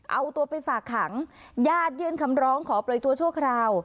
เอาตัวไปฝากขังญาติยื่นคำร้องขอปล่อยตัวชั่วคราว